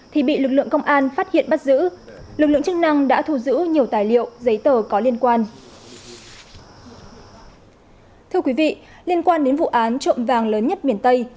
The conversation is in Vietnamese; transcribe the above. thưa quý vị liên quan đến vụ án trộm vàng lớn nhất miền tây